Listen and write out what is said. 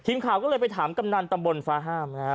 ทีมข่าวก็เลยไปถามกำนันตำบลฟ้าห้ามนะครับ